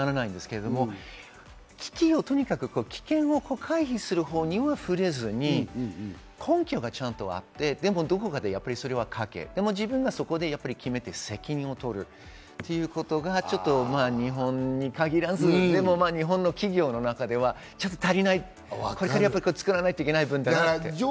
スピードがあって、もちろんスピード出ないと、局面ではね、どうにもならないんですけれども、危機をとにかく危険を回避する方には触れずに根拠がちゃんとあって、でもどこかでそれはかけ、自分がそこで決めて責任をとるということが日本に限らず、でも日本の企業の中ではちょっと足りない、これから作らなきゃいけない部分ですよね。